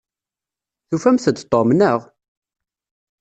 Tufamt-d Tom, naɣ?